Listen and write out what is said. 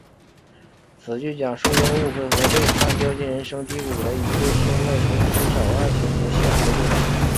此剧讲述因误会和背叛掉进人生低谷的一对兄妹重新找到爱情和幸福的故事。